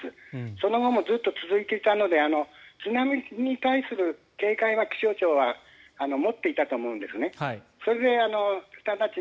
その後もずっと続いていたので津波に対する警戒は気象庁は持っていたと思うんですね。